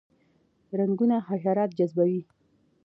رنګونه حشرات جذبوي